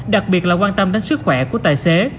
đặc biệt là quan tâm đến sức khỏe của tài xế